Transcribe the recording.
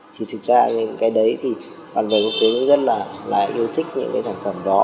thì thực ra những cái đấy thì bạn bè quốc tế cũng rất là yêu thích những cái sản phẩm đó